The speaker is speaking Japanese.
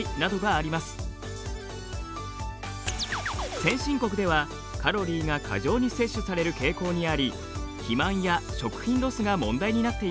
先進国ではカロリーが過剰に摂取される傾向にあり肥満や食品ロスが問題になっています。